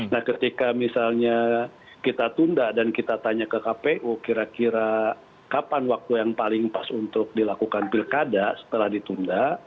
nah ketika misalnya kita tunda dan kita tanya ke kpu kira kira kapan waktu yang paling pas untuk dilakukan pilkada setelah ditunda